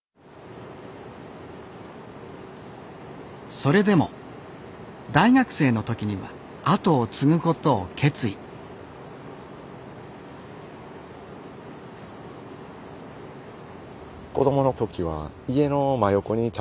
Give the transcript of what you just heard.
それでも大学生の時には後を継ぐことを決意子どもの時は家の真横に茶